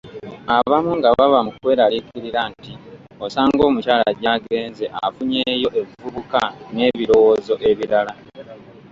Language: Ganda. Abamu nga baba mu kweraliikirira nti osanga omukyala gy’agenze afunyeeyo evvubuka n’ebirowoozo ebirala.